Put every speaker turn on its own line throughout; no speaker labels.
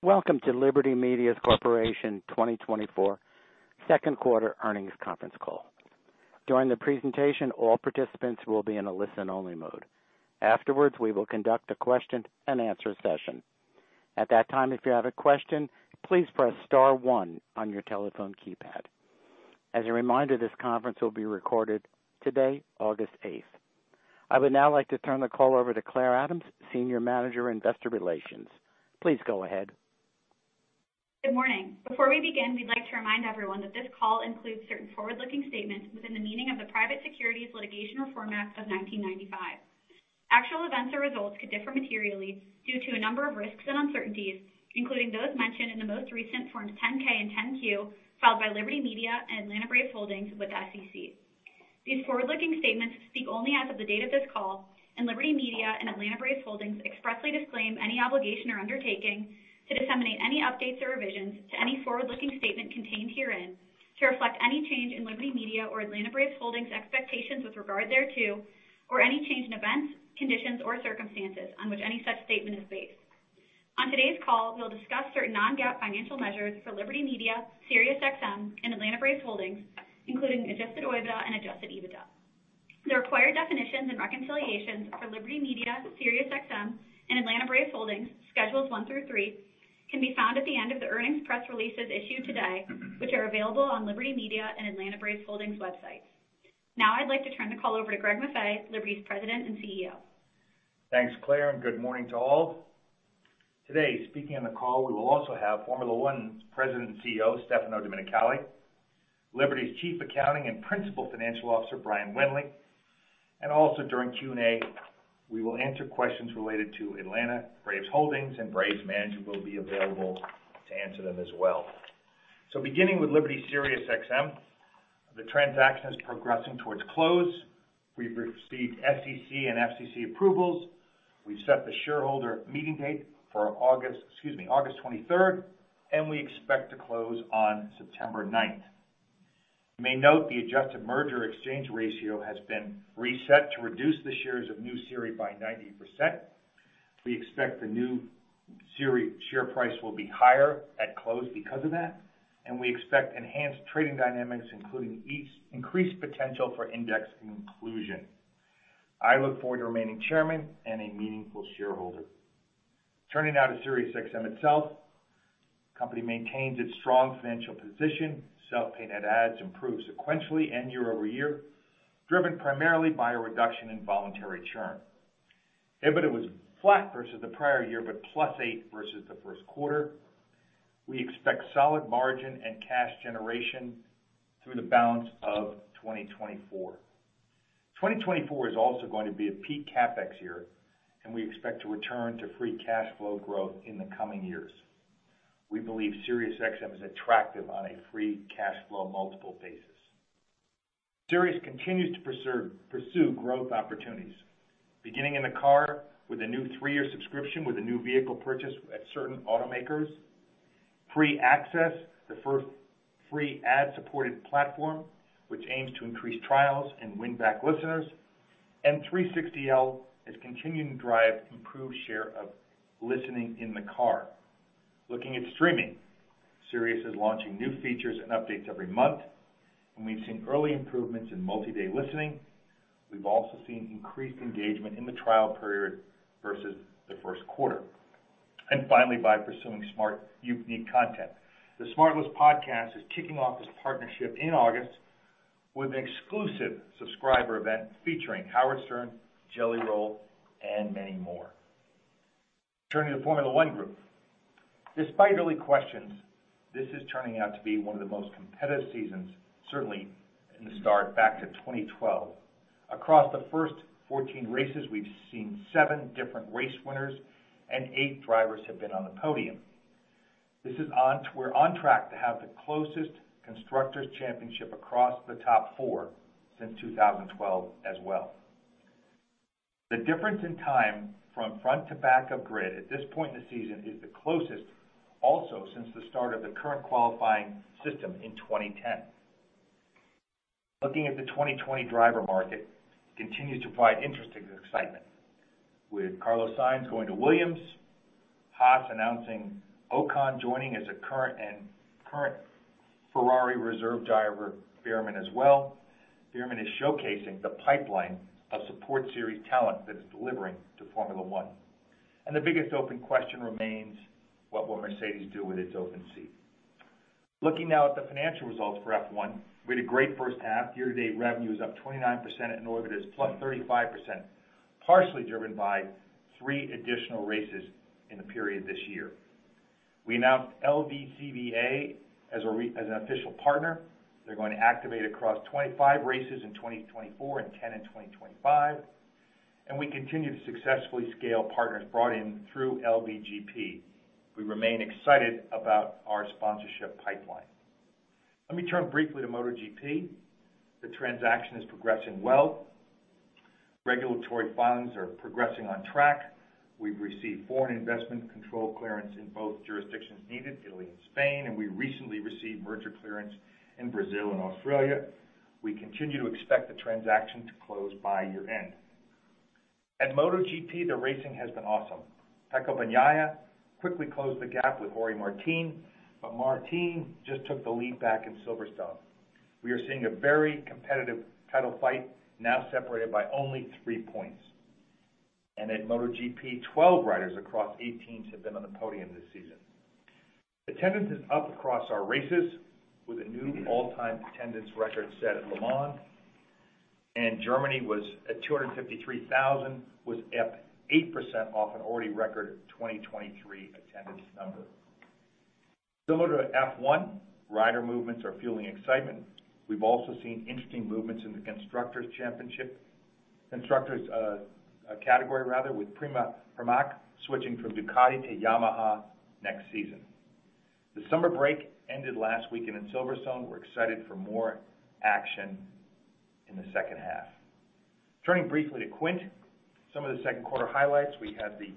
Welcome to Liberty Media Corporation 2024 second quarter earnings conference call. During the presentation, all participants will be in a listen-only mode. Afterwards, we will conduct a question-and-answer session. At that time, if you have a question, please press star one on your telephone keypad. As a reminder, this conference will be recorded today, August eighth. I would now like to turn the call over to Clare Adams, Senior Manager, Investor Relations. Please go ahead.
Good morning. Before we begin, we'd like to remind everyone that this call includes certain forward-looking statements within the meaning of the Private Securities Litigation Reform Act of 1995. Actual events or results could differ materially due to a number of risks and uncertainties, including those mentioned in the most recent Forms 10-K and 10-Q filed by Liberty Media and Atlanta Braves Holdings with the SEC. These forward-looking statements speak only as of the date of this call, and Liberty Media and Atlanta Braves Holdings expressly disclaim any obligation or undertaking to disseminate any updates or revisions to any forward-looking statement contained herein to reflect any change in Liberty Media or Atlanta Braves Holdings' expectations with regard thereto, or any change in events, conditions, or circumstances on which any such statement is based. On today's call, we'll discuss certain non-GAAP financial measures for Liberty Media, SiriusXM, and Atlanta Braves Holdings, including adjusted OIBDA and adjusted EBITDA. The required definitions and reconciliations for Liberty Media, SiriusXM, and Atlanta Braves Holdings, Schedules 1 through 3, can be found at the end of the earnings press releases issued today, which are available on Liberty Media and Atlanta Braves Holdings websites. Now I'd like to turn the call over to Greg Maffei, Liberty's President and CEO.
Thanks, Clare, and good morning to all. Today, speaking on the call, we will also have Formula 1 President and CEO, Stefano Domenicali, Liberty's Chief Accounting and Principal Financial Officer, Brian Wendling, and also during Q&A, we will answer questions related to Atlanta Braves Holdings, and Braves management will be available to answer them as well. So beginning with Liberty SiriusXM, the transaction is progressing towards close. We've received SEC and FCC approvals. We've set the shareholder meeting date for August, excuse me, August 23rd, and we expect to close on September 9th. You may note the adjusted merger exchange ratio has been reset to reduce the shares of New Sirius by 90%. We expect the New Sirius share price will be higher at close because of that, and we expect enhanced trading dynamics, including each increased potential for index inclusion. I look forward to remaining chairman and a meaningful shareholder. Turning now to SiriusXM itself, the company maintains its strong financial position. Self-pay net adds improved sequentially and year-over-year, driven primarily by a reduction in voluntary churn. EBITDA was flat versus the prior year, but +8 versus the first quarter. We expect solid margin and cash generation through the balance of 2024. 2024 is also going to be a peak CapEx year, and we expect to return to free cash flow growth in the coming years. We believe SiriusXM is attractive on a free cash flow multiple basis. Sirius continues to pursue growth opportunities, beginning in the car with a new 3-year subscription with a new vehicle purchase at certain automakers. Free Access, the first free ad-supported platform, which aims to increase trials and win back listeners, and 360L is continuing to drive improved share of listening in the car. Looking at streaming, Sirius is launching new features and updates every month, and we've seen early improvements in multi-day listening. We've also seen increased engagement in the trial period versus the first quarter. Finally, by pursuing smart, unique content. The SmartLess Podcast is kicking off this partnership in August with an exclusive subscriber event featuring Howard Stern, Jelly Roll, and many more. Turning to Formula 1 Group. Despite early questions, this is turning out to be one of the most competitive seasons, certainly in the start, back to 2012. Across the first 14 races, we've seen 7 different race winners and 8 drivers have been on the podium. This is on... We're on track to have the closest Constructors' Championship across the top four since 2012 as well. The difference in time from front to back of grid at this point in the season is the closest, also since the start of the current qualifying system in 2010. Looking at the 2020 driver market continues to provide interesting excitement. With Carlos Sainz going to Williams, Haas announcing Ocon joining as a current Ferrari reserve driver, Bearman as well. Bearman is showcasing the pipeline of support series talent that it's delivering to Formula 1. And the biggest open question remains: What will Mercedes do with its open seat? Looking now at the financial results for F1, we had a great first half. Year-to-date revenue is up 29%, OIBDA +35%, partially driven by three additional races in the period this year. We announced LVCVA as an official partner. They're going to activate across 25 races in 2024 and 10 in 2025, and we continue to successfully scale partners brought in through LVGP. We remain excited about our sponsorship pipeline. Let me turn briefly to MotoGP. The transaction is progressing well. Regulatory filings are progressing on track. We've received foreign investment control clearance in both jurisdictions needed, Italy and Spain, and we recently received merger clearance in Brazil and Australia. We continue to expect the transaction to close by year-end. At MotoGP, the racing has been awesome. Pecco Bagnaia quickly closed the gap with Jorge Martín, but Martin just took the lead back in Silverstone. We are seeing a very competitive title fight, now separated by only 3 points. And at MotoGP, 12 riders across 8 teams have been on the podium this season. Attendance is up across our races, with a new all-time attendance record set at Le Mans, and Germany was at 253,000, was up 8% off an already record 2023 attendance number. Similar to F1, rider movements are fueling excitement. We've also seen interesting movements in the Constructors Championship, Constructors category, rather, with Prima Pramac switching from Ducati to Yamaha next season. The summer break ended last weekend in Silverstone. We're excited for more action in the second half. Turning briefly to Quint, some of the second quarter highlights: we had the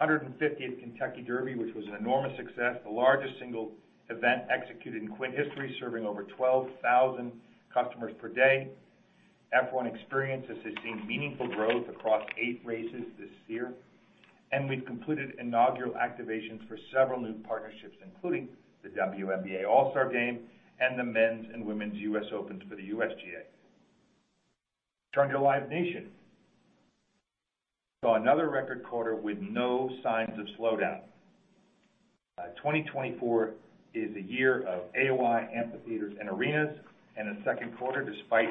150th Kentucky Derby, which was an enormous success, the largest single event executed in Quint history, serving over 12,000 customers per day. F1 Experiences is seeing meaningful growth across eight races this year, and we've completed inaugural activations for several new partnerships, including the WNBA All-Star Game and the Men's and Women's U.S. Opens for the USGA. Turning to Live Nation. Saw another record quarter with no signs of slowdown. 2024 is a year of AOI, amphitheaters, and arenas, and in the second quarter, despite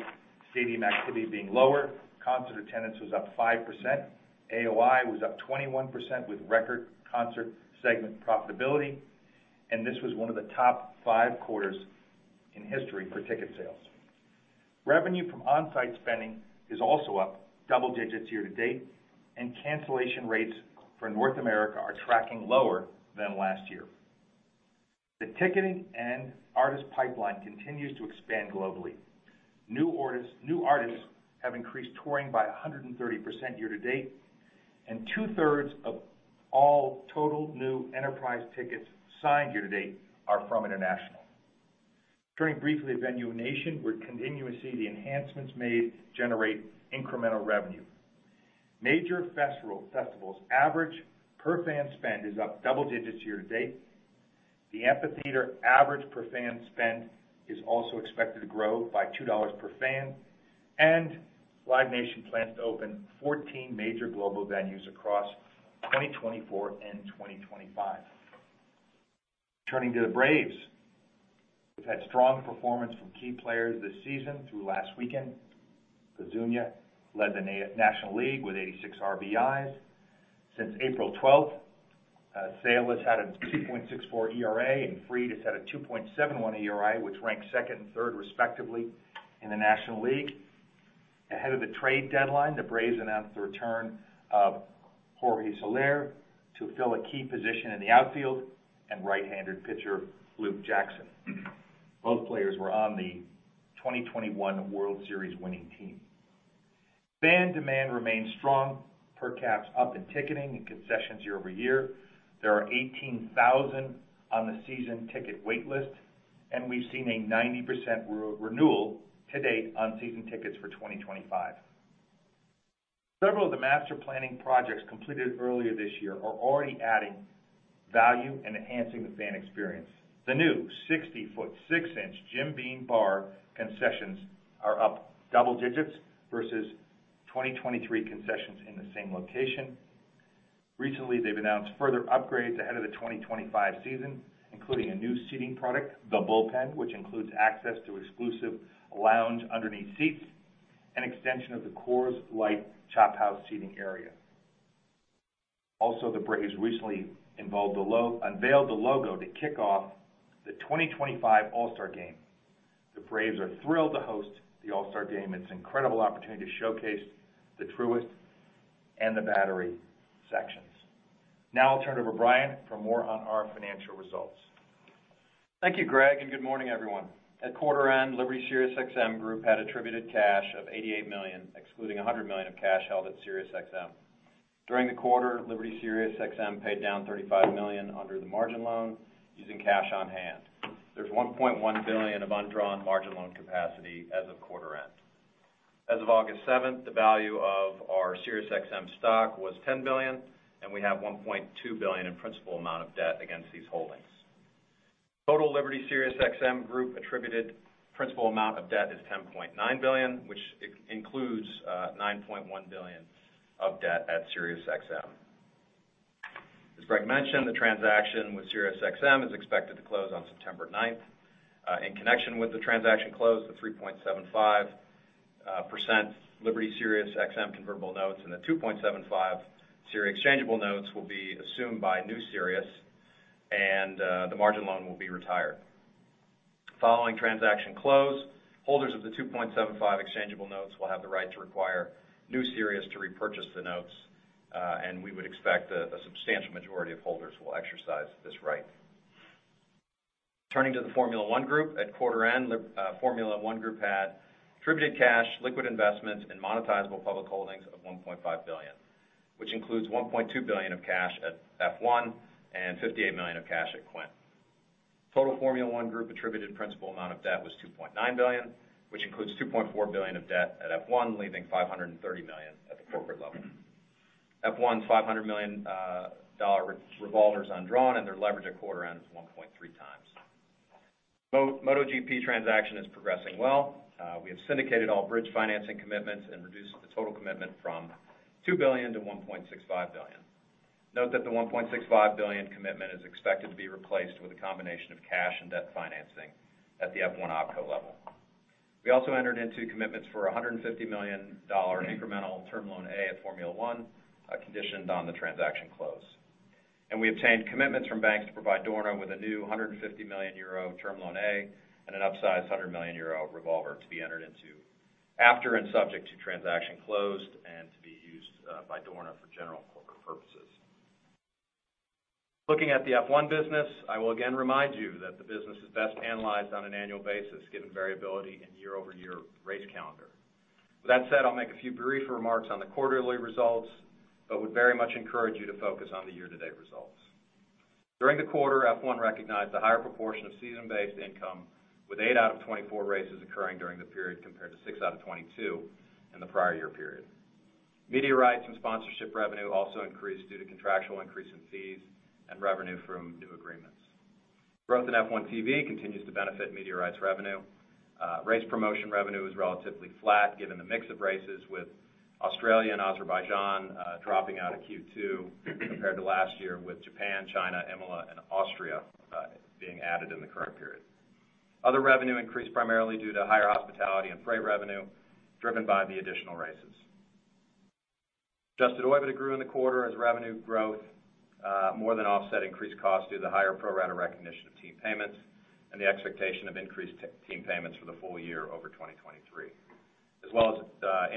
stadium activity being lower, concert attendance was up 5%, AOI was up 21% with record concert segment profitability, and this was one of the top five quarters in history for ticket sales. Revenue from on-site spending is also up double digits year to date, and cancellation rates for North America are tracking lower than last year. The ticketing and artist pipeline continues to expand globally. New orders. New artists have increased touring by 130% year to date, and two-thirds of all total new enterprise tickets signed year to date are from international. Turning briefly to Venue Nation, we're continuing to see the enhancements made generate incremental revenue. Major festivals' average per fan spend is up double digits year to date. The amphitheater average per fan spend is also expected to grow by $2 per fan, and Live Nation plans to open 14 major global venues across 2024 and 2025. Turning to the Braves. We've had strong performance from key players this season through last weekend. Ozuna led the National League with 86 RBIs. Since April 12, Sale has had a 2.64 ERA, and Fried has had a 2.71 ERA, which ranked second and third, respectively, in the National League. Ahead of the trade deadline, the Braves announced the return of Jorge Soler to fill a key position in the outfield and right-handed pitcher, Luke Jackson. Both players were on the 2021 World Series winning team. Fan demand remains strong, per caps up in ticketing and concessions year-over-year. There are 18,000 on the season ticket wait list, and we've seen a 90% renewal to date on season tickets for 2025. Several of the master planning projects completed earlier this year are already adding value and enhancing the fan experience. The new 60-foot, 6-inch Jim Beam bar concessions are up double digits versus 2023 concessions in the same location. Recently, they've announced further upgrades ahead of the 2025 season, including a new seating product, The Bullpen, which includes access to exclusive lounge underneath seats and extension of the Coors Light Chop House seating area. Also, the Braves recently unveiled the logo to kick off the 2025 All-Star Game. The Braves are thrilled to host the All-Star Game. It's an incredible opportunity to showcase the Truist and the Battery sections. Now I'll turn it over to Brian for more on our financial results.
Thank you, Greg, and good morning, everyone. At quarter end, Liberty SiriusXM Group had attributable cash of $88 million, excluding $100 million of cash held at SiriusXM. During the quarter, Liberty SiriusXM paid down $35 million under the margin loan using cash on hand. There's $1.1 billion of undrawn margin loan capacity as of quarter end. As of August seventh, the value of our SiriusXM stock was $10 billion, and we have $1.2 billion in principal amount of debt against these holdings. Total Liberty SiriusXM Group attributable principal amount of debt is $10.9 billion, which includes $9.1 billion of debt at SiriusXM. As Greg mentioned, the transaction with SiriusXM is expected to close on September ninth. In connection with the transaction close, the 3.75% Liberty SiriusXM convertible notes and the 2.75% Sirius exchangeable notes will be assumed by New Sirius and the margin loan will be retired. Following transaction close, holders of the 2.75% exchangeable notes will have the right to require New Sirius to repurchase the notes, and we would expect a substantial majority of holders will exercise this right. Turning to the Formula 1 group, at quarter end, the Formula 1 group had attributed cash, liquid investments, and monetizable public holdings of $1.5 billion, which includes $1.2 billion of cash at F1 and $58 million of cash at Quint. Total Formula 1 Group attributed principal amount of debt was $2.9 billion, which includes $2.4 billion of debt at F1, leaving $530 million at the corporate level. F1's $500 million dollar revolver is undrawn, and their leverage at quarter end is 1.3 times. MotoGP transaction is progressing well. We have syndicated all bridge financing commitments and reduced the total commitment from $2 billion to $1.65 billion. Note that the 1.65 billion commitment is expected to be replaced with a combination of cash and debt financing at the F1 OpCo level. We also entered into commitments for a $150 million incremental term loan A at Formula 1, conditioned on the transaction close. We obtained commitments from banks to provide Dorna with a new 150 million euro term loan A, and an upsized 100 million euro revolver to be entered into after and subject to transaction closed, and to be used by Dorna for general corporate purposes. Looking at the F1 business, I will again remind you that the business is best analyzed on an annual basis, given variability in year-over-year race calendar. With that said, I'll make a few brief remarks on the quarterly results, but would very much encourage you to focus on the year-to-date results. During the quarter, F1 recognized a higher proportion of season-based income, with 8 out of 24 races occurring during the period, compared to 6 out of 22 in the prior year period. Media rights and sponsorship revenue also increased due to contractual increase in fees and revenue from new agreements. Growth in F1 TV continues to benefit media rights revenue. Race promotion revenue is relatively flat given the mix of races, with Australia and Azerbaijan, dropping out of Q2 compared to last year, with Japan, China, Imola, and Austria, being added in the current period. Other revenue increased primarily due to higher hospitality and freight revenue, driven by the additional races. Adjusted OIBDA grew in the quarter as revenue growth more than offset increased costs due to the higher pro rata recognition of team payments, and the expectation of increased team payments for the full year over 2023. As well as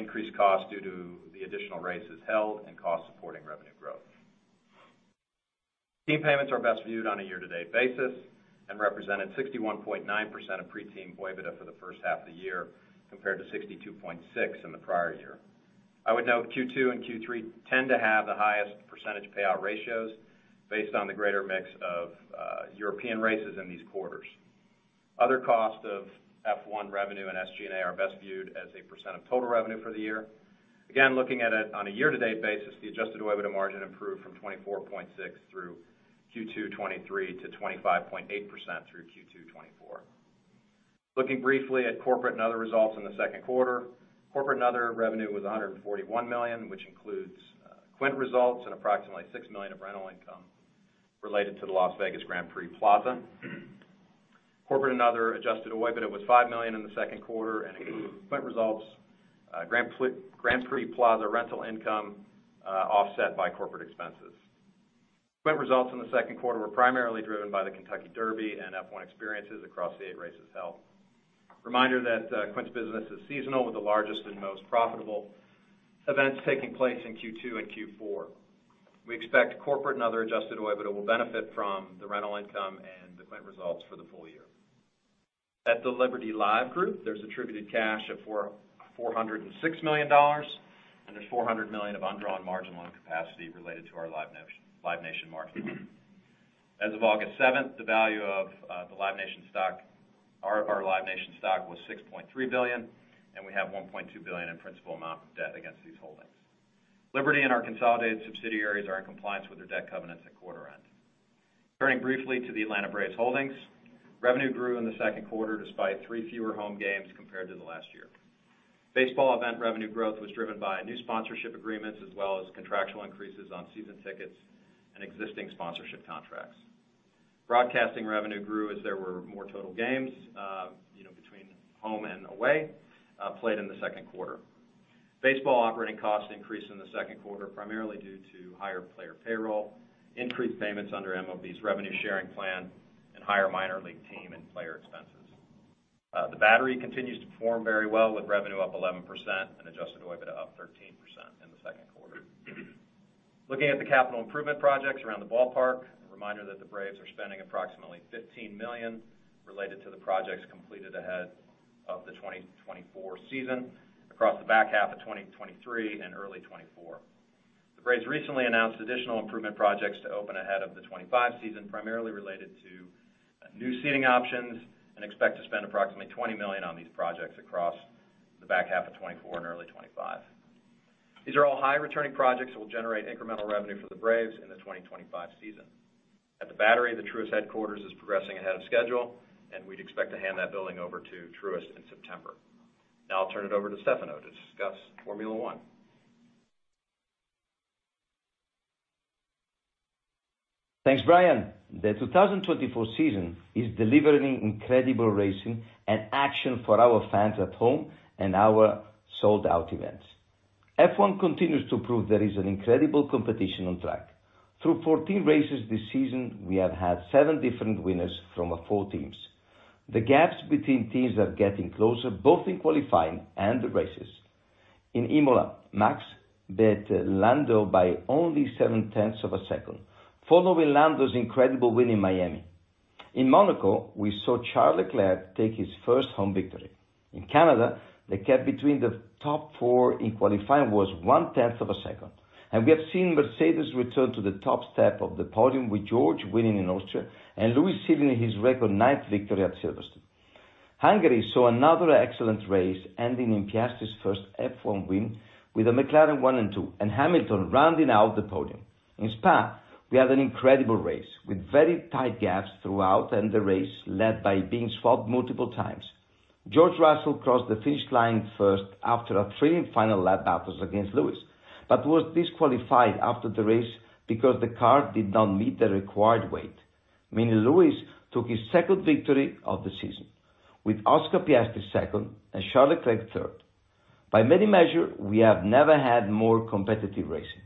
increased costs due to the additional races held and costs supporting revenue growth. Team payments are best viewed on a year-to-date basis and represented 61.9% of pre-team OIBDA for the first half of the year, compared to 62.6 in the prior year. I would note Q2 and Q3 tend to have the highest percentage payout ratios based on the greater mix of European races in these quarters. Other costs of F1 revenue and SG&A are best viewed as a % of total revenue for the year. Again, looking at it on a year-to-date basis, the adjusted OIBDA margin improved from 24.6% through Q2 2023 to 25.8% through Q2 2024. Looking briefly at corporate and other results in the second quarter. Corporate and other revenue was $141 million, which includes Quint results and approximately $6 million of rental income related to the Las Vegas Grand Prix Plaza. Corporate and other adjusted OIBDA was $5 million in the second quarter and included Quint results, Grand Prix Plaza rental income, offset by corporate expenses. Quint results in the second quarter were primarily driven by the Kentucky Derby and F1 experiences across the eight races held. Reminder that Quint's business is seasonal, with the largest and most profitable events taking place in Q2 and Q4. We expect corporate and other adjusted OIBDA will benefit from the rental income and the Quint results for the full year. At the Liberty Live Group, there's attributed cash of $406 million, and there's $400 million of undrawn margin loan capacity related to our Live Nation mark. As of August 7, the value of the Live Nation stock. Our Live Nation stock was $6.3 billion, and we have $1.2 billion in principal amount of debt against these holdings. Liberty and our consolidated subsidiaries are in compliance with their debt covenants at quarter end. Turning briefly to the Atlanta Braves Holdings. Revenue grew in the second quarter, despite 3 fewer home games compared to the last year. Baseball event revenue growth was driven by new sponsorship agreements, as well as contractual increases on season tickets and existing sponsorship contracts. Broadcasting revenue grew as there were more total games, you know, between home and away, played in the second quarter. Baseball operating costs increased in the second quarter, primarily due to higher player payroll, increased payments under MLB's revenue sharing plan, and higher minor league team and player expenses. The Battery continues to perform very well, with revenue up 11% and adjusted OIBDA up 13% in the second quarter. Looking at the capital improvement projects around the ballpark, a reminder that the Braves are spending approximately $15 million related to the projects completed ahead of the 2024 season across the back half of 2023 and early 2024. The Braves recently announced additional improvement projects to open ahead of the 2025 season, primarily related to new seating options, and expect to spend approximately $20 million on these projects across the back half of 2024 and early 2025. These are all high-returning projects that will generate incremental revenue for the Braves in the 2025 season. At The Battery Atlanta, the Truist headquarters is progressing ahead of schedule, and we'd expect to hand that building over to Truist in September. Now I'll turn it over to Stefano to discuss Formula 1. Thanks, Brian. The 2024 season is delivering incredible racing and action for our fans at home and our sold-out events. F1 continues to prove there is an incredible competition on track. Through 14 races this season, we have had seven different winners from four teams. The gaps between teams are getting closer, both in qualifying and the races. In Imola, Max beat Lando by only 0.7 of a second, following Lando's incredible win in Miami. In Monaco, we saw Charles Leclerc take his first home victory. In Canada, the gap between the top four in qualifying was 0.1 of a second, and we have seen Mercedes return to the top step of the podium, with George winning in Austria and Lewis sealing his record ninth victory at Silverstone. Hungary saw another excellent race, ending in Piastri's first F1 win, with a McLaren one-two, and Hamilton rounding out the podium. In Spa, we had an incredible race, with very tight gaps throughout, and the race lead being swapped multiple times. George Russell crossed the finish line first after a thrilling final lap battle against Lewis, but was disqualified after the race because the car did not meet the required weight, meaning Lewis took his second victory of the season, with Oscar Piastri second and Charles Leclerc third. By many measures, we have never had more competitive racing.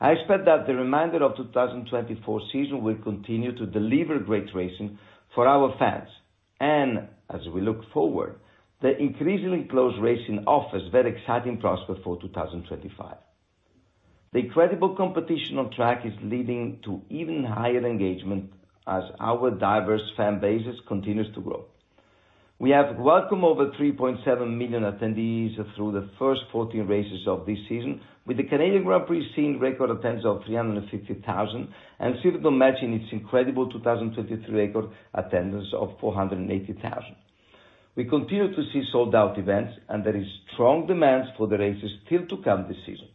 I expect that the remainder of the 2024 season will continue to deliver great racing for our fans, and as we look forward, the increasingly close racing offers very exciting prospects for 2025. The incredible competition on track is leading to even higher engagement as our diverse fan bases continues to grow. We have welcomed over 3.7 million attendees through the first 14 races of this season, with the Canadian Grand Prix seeing record attendance of 350,000, and Silverstone matching its incredible 2023 record attendance of 480,000. We continue to see sold-out events, and there is strong demand for the races still to come this season.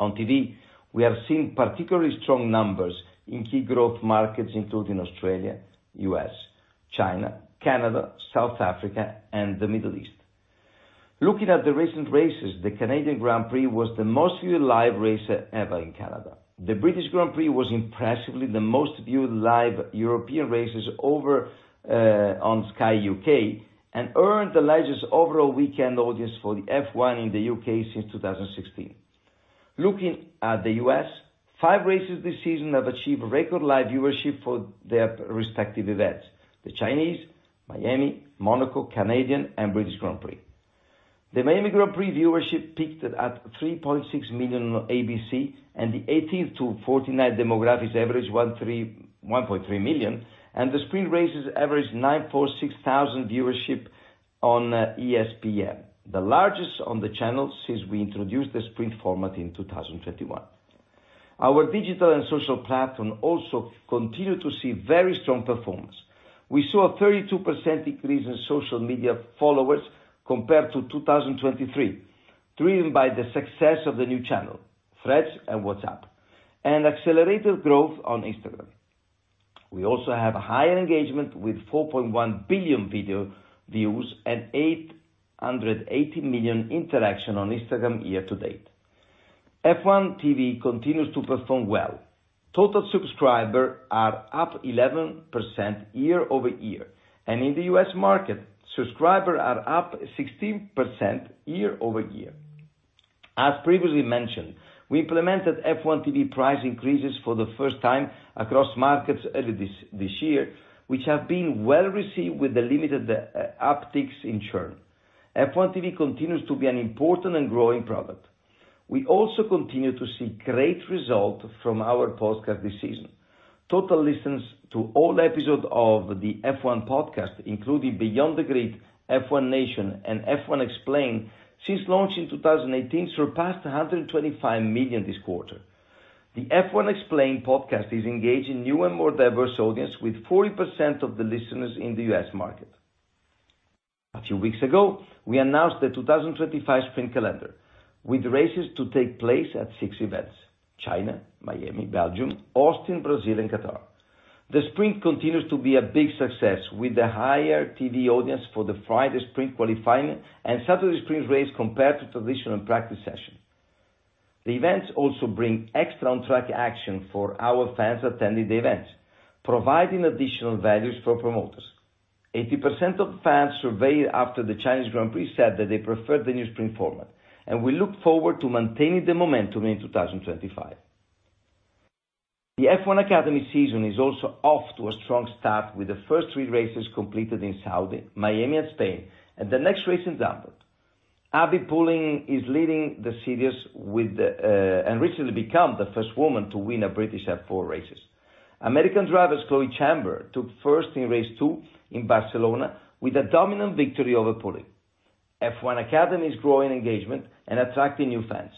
On TV, we have seen particularly strong numbers in key growth markets, including Australia, U.S., China, Canada, South Africa, and the Middle East. Looking at the recent races, the Canadian Grand Prix was the most viewed live race ever in Canada. The British Grand Prix was impressively the most viewed live European races over, on Sky U.K., and earned the largest overall weekend audience for the F1 in the U.K. since 2016. Looking at the U.S., 5 races this season have achieved record live viewership for their respective events: the Chinese, Miami, Monaco, Canadian, and British Grand Prix. The Miami Grand Prix viewership peaked at 3.6 million on ABC, and the 18-49 demographics average 1.3 million, and the sprint races averaged 946 thousand viewership on, ESPN, the largest on the channel since we introduced the sprint format in 2021. Our digital and social platform also continue to see very strong performance. We saw a 32% increase in social media followers compared to 2023, driven by the success of the new channel, Threads and WhatsApp, and accelerated growth on Instagram. We also have a higher engagement with 4.1 billion video views and 880 million interactions on Instagram year to date. F1 TV continues to perform well. Total subscribers are up 11% year-over-year, and in the U.S. market, subscribers are up 16% year-over-year. As previously mentioned, we implemented F1 TV price increases for the first time across markets early this year, which have been well received with the limited upticks in churn. F1 TV continues to be an important and growing product. We also continue to see great results from our podcast this season. Total listens to all episodes of the F1 Podcast, including Beyond the Grid, F1 Nation, and F1 Explained, since launch in 2018, surpassed 125 million this quarter. The F1 Explained podcast is engaging new and more diverse audience, with 40% of the listeners in the U.S. market. A few weeks ago, we announced the 2025 sprint calendar, with races to take place at 6 events: China, Miami, Belgium, Austin, Brazil, and Qatar. The sprint continues to be a big success, with a higher TV audience for the Friday sprint qualifying and Saturday sprint race compared to traditional practice session. The events also bring extra on-track action for our fans attending the events, providing additional values for promoters. 80% of fans surveyed after the Chinese Grand Prix said that they preferred the new sprint format, and we look forward to maintaining the momentum in 2025. The F1 Academy season is also off to a strong start, with the first 3 races completed in Saudi, Miami, and Spain, and the next race in Zandvoort. Abbi Pulling is leading the series with the, And recently become the first woman to win a British F4 races. American driver, Chloe Chambers, took first in race 2 in Barcelona, with a dominant victory over Pulling. F1 Academy is growing engagement and attracting new fans.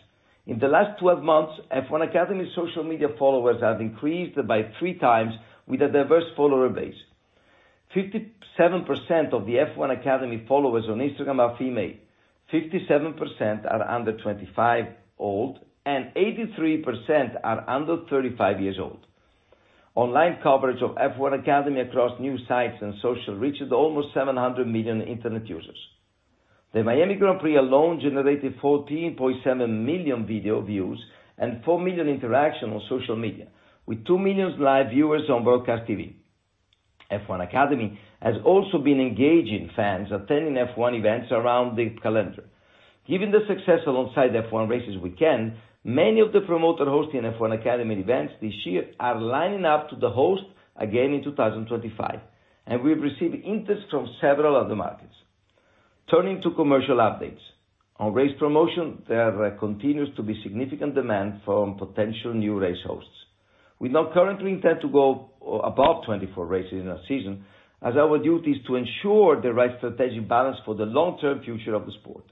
In the last 12 months, F1 Academy social media followers have increased by 3 times with a diverse follower base. 57% of the F1 Academy followers on Instagram are female, 57% are under 25 years old, and 83% are under 35 years old. Online coverage of F1 Academy across news sites and social reaches almost 700 million internet users. The Miami Grand Prix alone generated 14.7 million video views and 4 million interactions on social media, with 2 million live viewers on broadcast TV. F1 Academy has also been engaging fans attending F1 events around the calendar. Given the success alongside F1 race weekends, many of the promoters hosting F1 Academy events this year are lining up to host again in 2025, and we've received interest from several other markets. Turning to commercial updates. On race promotion, there continues to be significant demand from potential new race hosts. We now currently intend to go above 24 races in a season, as our duty is to ensure the right strategic balance for the long-term future of the sport.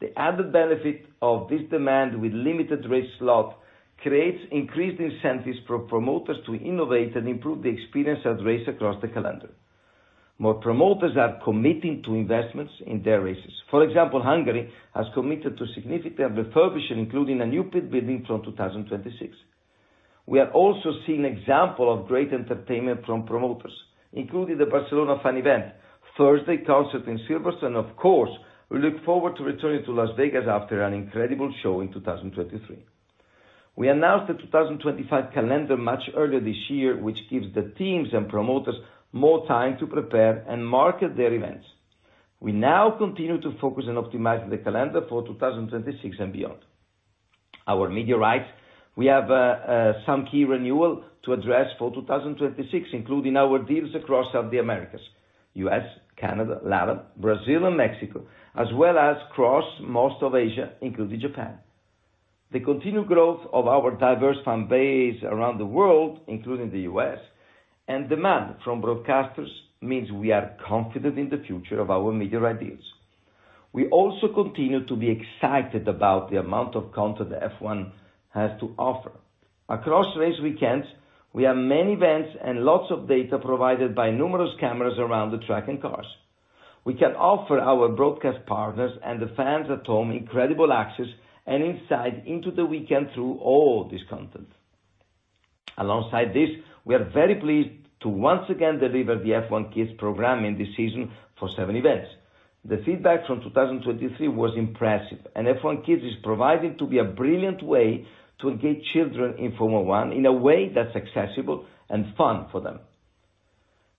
The added benefit of this demand with limited race slot creates increased incentives for promoters to innovate and improve the experience at race across the calendar. More promoters are committing to investments in their races. For example, Hungary has committed to significant refurbishing, including a new pit building from 2026. We are also seeing example of great entertainment from promoters, including the Barcelona fan event, Thursday concert in Silverstone, and of course, we look forward to returning to Las Vegas after an incredible show in 2023. We announced the 2025 calendar much earlier this year, which gives the teams and promoters more time to prepare and market their events. We now continue to focus on optimizing the calendar for 2026 and beyond. Our media rights, we have some key renewal to address for 2026, including our deals across all the Americas, U.S., Canada, Latin, Brazil, and Mexico, as well as across most of Asia, including Japan. The continued growth of our diverse fan base around the world, including the U.S., and demand from broadcasters, means we are confident in the future of our media rights deals. We also continue to be excited about the amount of content F1 has to offer. Across race weekends, we have many events and lots of data provided by numerous cameras around the track and cars. We can offer our broadcast partners and the fans at home incredible access and insight into the weekend through all this content. Alongside this, we are very pleased to once again deliver the F1 Kids program in this season for 7 events. The feedback from 2023 was impressive, and F1 Kids is proving to be a brilliant way to engage children in Formula 1 in a way that's accessible and fun for them.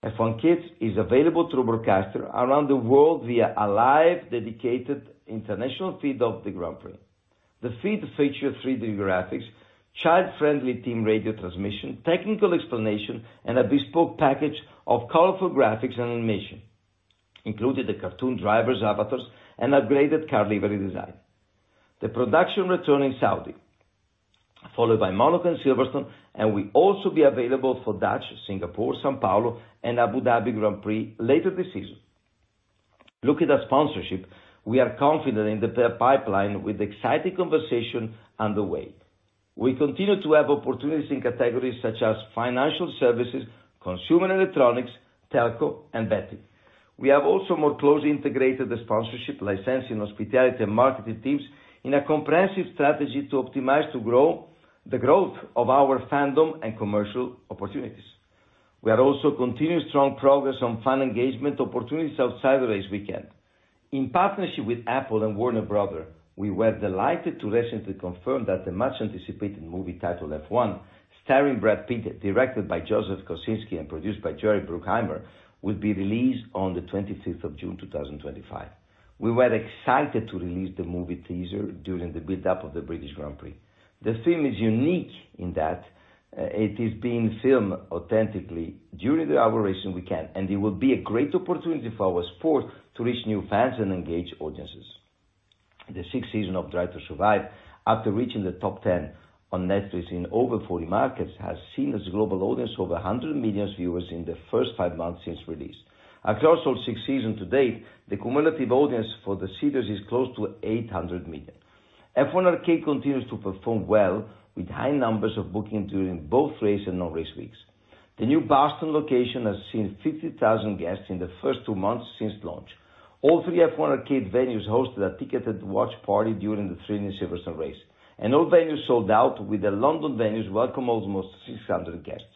F1 Kids is available to broadcasters around the world via a live, dedicated international feed of the Grand Prix. The feed features 3D graphics, child-friendly team radio transmission, technical explanation, and a bespoke package of colorful graphics and animation, including the cartoon drivers avatars, and upgraded car livery design. The production returned in Saudi, followed by Monaco and Silverstone, and will also be available for Dutch, Singapore, São Paulo, and Abu Dhabi Grand Prix later this season. Looking at sponsorship, we are confident in the pipeline with exciting conversation underway. We continue to have opportunities in categories such as financial services, consumer electronics, telco, and betting. We have also more closely integrated the sponsorship, licensing, hospitality, and marketing teams in a comprehensive strategy to optimize, to grow the growth of our fandom and commercial opportunities. We are also continuing strong progress on fan engagement opportunities outside the race weekend. In partnership with Apple and Warner Bros., we were delighted to recently confirm that the much-anticipated movie titled F1, starring Brad Pitt, directed by Joseph Kosinski, and produced by Jerry Bruckheimer, will be released on the 25th of June 2025. We were excited to release the movie teaser during the build-up of the British Grand Prix. The film is unique in that, it is being filmed authentically during the operation weekend, and it will be a great opportunity for our sport to reach new fans and engage audiences. The sixth season of Drive to Survive, after reaching the top ten on Netflix in over 40 markets, has seen its global audience over 100 million viewers in the first 5 months since release. Across all 6 seasons to date, the cumulative audience for the series is close to 800 million. F1 Arcade continues to perform well, with high numbers of booking during both race and non-race weeks. The new Boston location has seen 50,000 guests in the first 2 months since launch. All three F1 Arcade venues hosted a ticketed watch party during the three new Silverstone race, and all venues sold out, with the London venues welcome almost 600 guests.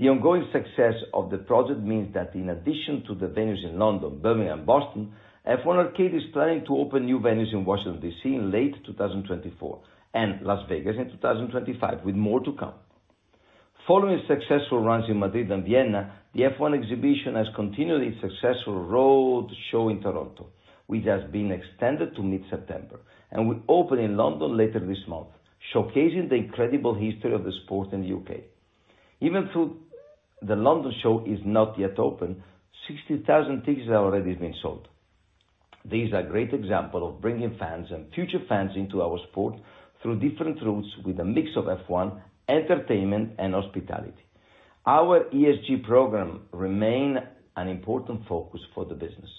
The ongoing success of the project means that in addition to the venues in London, Birmingham, and Boston, F1 Arcade is planning to open new venues in Washington, D.C. in late 2024, and Las Vegas in 2025, with more to come. Following successful runs in Madrid and Vienna, the F1 Exhibition has continued its successful road show in Toronto, which has been extended to mid-September, and will open in London later this month, showcasing the incredible history of the sport in the U.K.. Even though the London show is not yet open, 60,000 tickets have already been sold. These are great examples of bringing fans and future fans into our sport through different routes with a mix of F1, entertainment, and hospitality. Our ESG program remains an important focus for the business.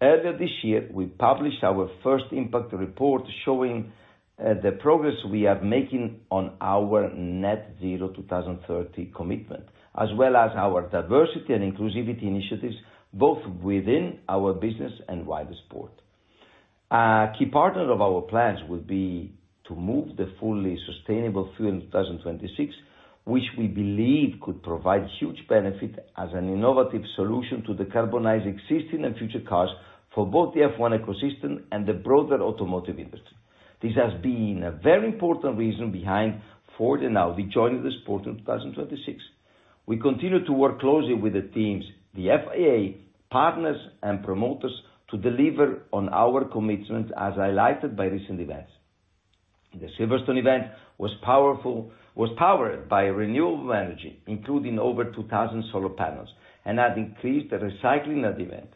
Earlier this year, we published our first impact report showing the progress we are making on our Net Zero 2030 commitment, as well as our diversity and inclusivity initiatives, both within our business and wider sport. A key part of our plans would be to move the fully sustainable fuel in 2026, which we believe could provide huge benefit as an innovative solution to decarbonize existing and future cars for both the F1 ecosystem and the broader automotive industry. This has been a very important reason behind Ford and Audi joining the sport in 2026. We continue to work closely with the teams, the FIA, partners, and promoters, to deliver on our commitment, as highlighted by recent events. The Silverstone event was powered by renewable energy, including over 2,000 solar panels, and had increased recycling at event.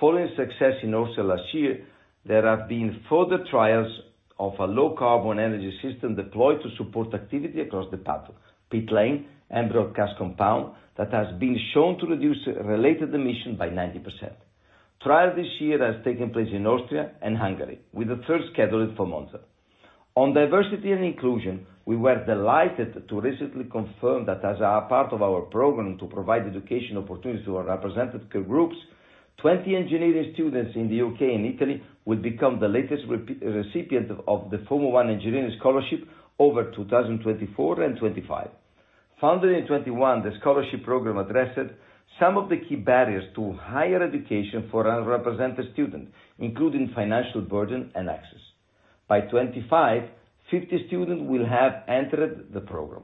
Following success in Austria last year, there have been further trials of a low carbon energy system deployed to support activity across the paddock, pit lane, and broadcast compound that has been shown to reduce related emission by 90%. Trial this year has taken place in Austria and Hungary, with the third scheduled for Monza. On diversity and inclusion, we were delighted to recently confirm that as a part of our program to provide education opportunities to our representative groups, 20 engineering students in the U.K. and Italy will become the latest recipients of the Formula 1 Engineering Scholarship over 2024 and 2025. Founded in 2021, the scholarship program addresses some of the key barriers to higher education for underrepresented students, including financial burden and access. By 2025, 50 students will have entered the program.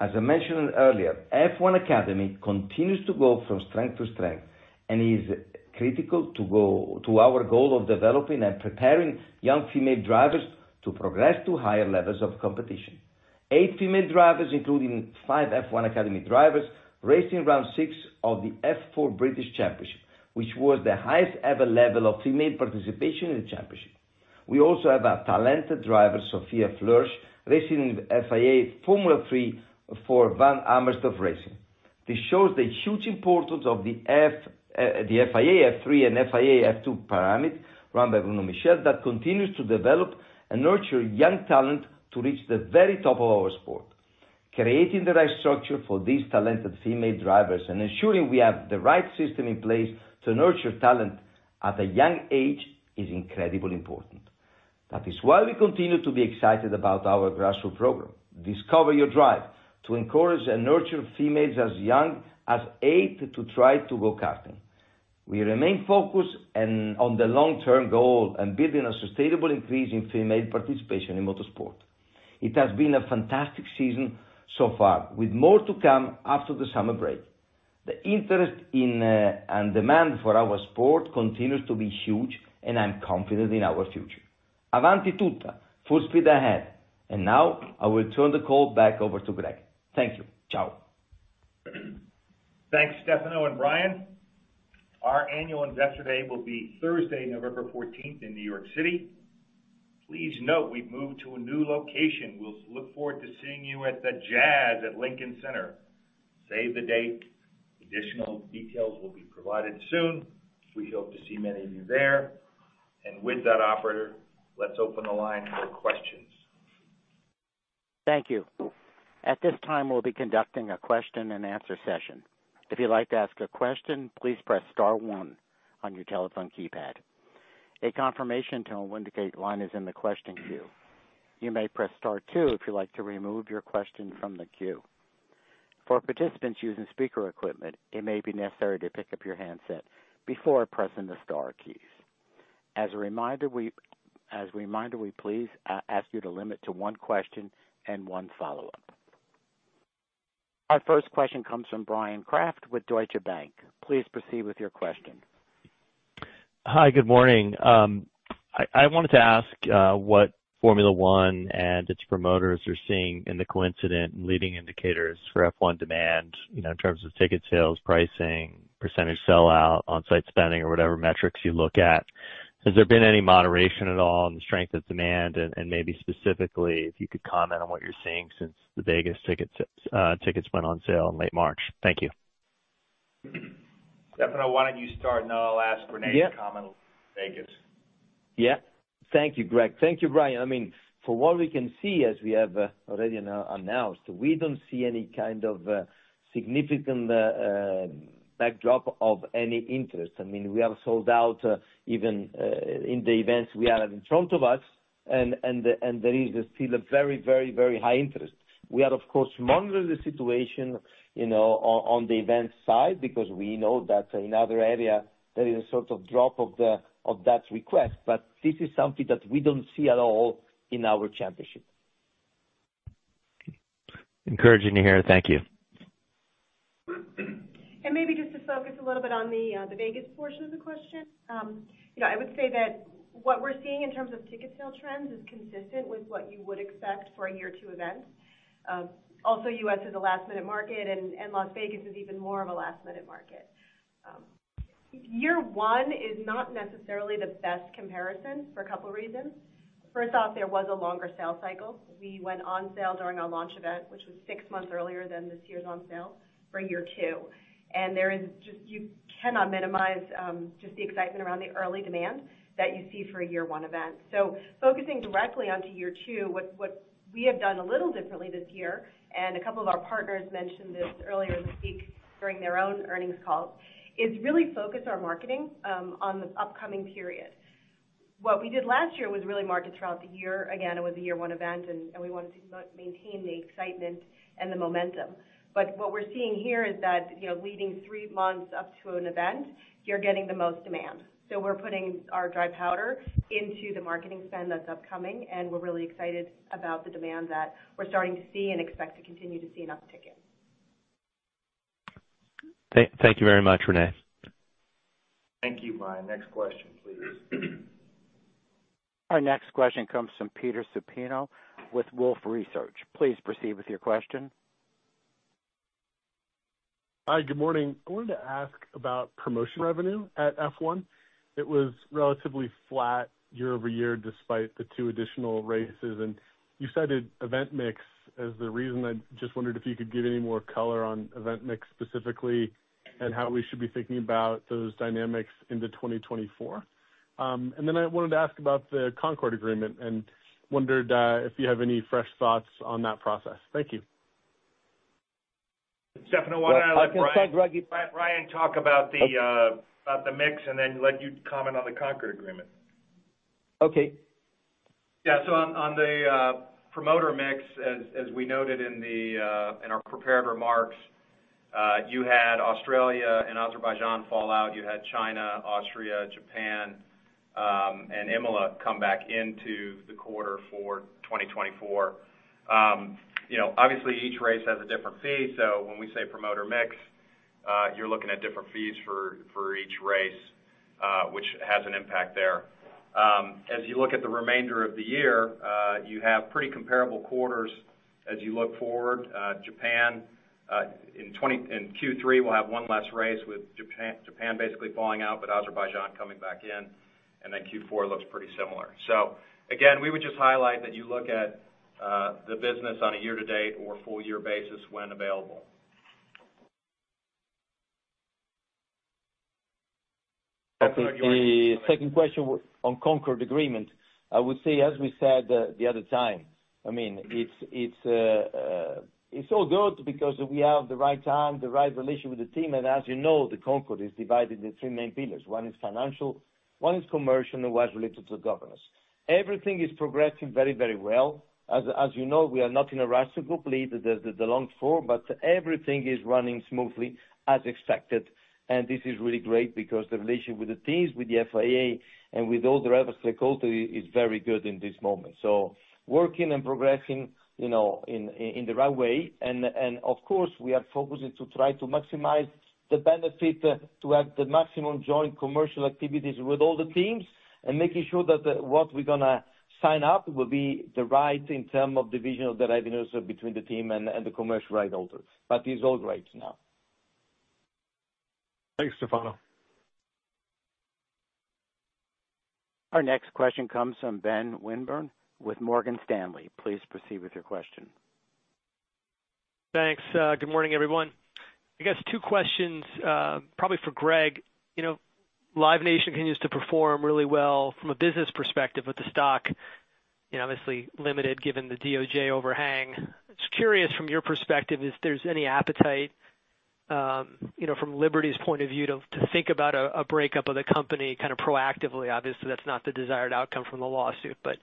As I mentioned earlier, F1 Academy continues to go from strength to strength and is critical to go to our goal of developing and preparing young female drivers to progress to higher levels of competition. 8 female drivers, including 5 F1 Academy drivers, raced in round 6 of the F4 British Championship, which was the highest ever level of female participation in the championship. We also have a talented driver, Sophia Flörsch, racing in the FIA Formula 3 for Van Amersfoort Racing. This shows the huge importance of the F, the FIA F3 and FIA F2 pyramid, run by Bruno Michel, that continues to develop and nurture young talent to reach the very top of our sport. Creating the right structure for these talented female drivers and ensuring we have the right system in place to nurture talent at a young age is incredibly important. That is why we continue to be excited about our grassroots program, Discover Your Drive, to encourage and nurture females as young as eight to try go-karting. We remain focused on the long-term goal of building a sustainable increase in female participation in motorsport. It has been a fantastic season so far, with more to come after the summer break. The interest in and demand for our sport continues to be huge, and I'm confident in our future. Avanti tutta, full speed ahead, and now I will turn the call back over to Greg. Thank you. Ciao.
Thanks, Stefano and Brian. Our annual investor day will be Thursday, November fourteenth, in New York City. Please note we've moved to a new location. We'll look forward to seeing you at the Jazz at Lincoln Center. Save the date. Additional details will be provided soon. We hope to see many of you there. And with that, operator, let's open the line for questions.
Thank you. At this time, we'll be conducting a question and answer session. If you'd like to ask a question, please press star one on your telephone keypad. A confirmation tone will indicate line is in the question queue. You may press star two if you'd like to remove your question from the queue. For participants using speaker equipment, it may be necessary to pick up your handset before pressing the star keys. As a reminder, we please ask you to limit to one question and one follow-up. Our first question comes from Bryan Kraft with Deutsche Bank. Please proceed with your question.
Hi, good morning. I wanted to ask what Formula 1 and its promoters are seeing in the coincident leading indicators for F1 demand, you know, in terms of ticket sales, pricing, percentage sellout, on-site spending or whatever metrics you look at. Has there been any moderation at all on the strength of demand? And maybe specifically, if you could comment on what you're seeing since the Vegas tickets went on sale in late March. Thank you.
Stefano, why don't you start, and then I'll ask Renee to comment on Vegas. Yeah. Thank you, Greg. Thank you, Brian. I mean, from what we can see, as we have already announced, we don't see any kind of significant drop-off of any interest. I mean, we have sold out even in the events we have in front of us, and there is still a very, very, very high interest. We are, of course, monitoring the situation, you know, on the event side, because we know that in other area there is a sort of drop of that request, but this is something that we don't see at all in our championship.
Encouraging to hear. Thank you.
And maybe just to focus a little bit on the Vegas portion of the question. You know, I would say that what we're seeing in terms of ticket sale trends is consistent with what you would expect for a year two event. Also, U.S. is a last-minute market, and Las Vegas is even more of a last-minute market. Year one is not necessarily the best comparison for a couple reasons. First off, there was a longer sales cycle. We went on sale during our launch event, which was six months earlier than this year's on sale for year two, and there is just... You cannot minimize just the excitement around the early demand that you see for a year one event. So focusing directly onto year two, what we have done a little differently this year, and a couple of our partners mentioned this earlier this week during their own earnings calls, is really focus our marketing on the upcoming period. What we did last year was really market throughout the year. Again, it was a year one event, and we wanted to maintain the excitement and the momentum. But what we're seeing here is that, you know, leading three months up to an event, you're getting the most demand. So we're putting our dry powder into the marketing spend that's upcoming, and we're really excited about the demand that we're starting to see and expect to continue to see an uptick in.
Thank you very much, Renee.
Thank you, Brian. Next question, please.
Our next question comes from Peter Supino with Wolfe Research. Please proceed with your question.
Hi, good morning. I wanted to ask about promotion revenue at F1. It was relatively flat year-over-year, despite the two additional races, and you cited event mix as the reason. I just wondered if you could give any more color on event mix specifically, and how we should be thinking about those dynamics into 2024. And then I wanted to ask about the Concorde Agreement and wondered if you have any fresh thoughts on that process. Thank you.
Stefano, why don't I let Brian talk about the mix, and then let you comment on the Concorde Agreement? Okay. Yeah, so on the promoter mix, as we noted in our prepared remarks, you had Australia and Azerbaijan fall out. You had China, Austria, Japan, and Imola come back into the quarter for 2024. You know, obviously, each race has a different fee, so when we say promoter mix, you're looking at different fees for each race, which has an impact there. As you look at the remainder of the year, you have pretty comparable quarters as you look forward. Japan in Q3, we'll have one less race with Japan, Japan basically falling out, but Azerbaijan coming back in, and then Q4 looks pretty similar. So again, we would just highlight that you look at the business on a year to date or full year basis when available. The second question on Concorde Agreement, I would say, as we said the other time, I mean, it's all good because we have the right time, the right relationship with the team, and as you know, the Concorde is divided into three main pillars. One is financial, one is commercial, and one is related to governance. Everything is progressing very, very well. As you know, we are not in a rush to complete the long form, but everything is running smoothly as expected. And this is really great because the relationship with the teams, with the FIA and with all the other stakeholders is very good in this moment. So working and progressing, you know, in the right way. And of course, we are focusing to try to maximize the benefit, to have the maximum joint commercial activities with all the teams, and making sure that what we're gonna sign up will be the right in terms of division of the revenues between the team and the commercial rights holders. It's all great now.
Thanks, Stefano.
Our next question comes from Ben Swinburne with Morgan Stanley. Please proceed with your question.
Thanks. Good morning, everyone. I guess two questions, probably for Greg. You know, Live Nation continues to perform really well from a business perspective with the stock, you know, obviously limited given the DOJ overhang. Just curious, from your perspective, if there's any appetite, you know, from Liberty's point of view, to, to think about a, a breakup of the company kind of proactively. Obviously, that's not the desired outcome from the lawsuit, but